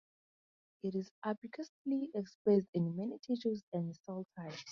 It is ubiquitously expressed in many tissues and cell types.